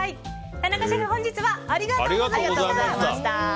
田中シェフ本日はありがとうございました。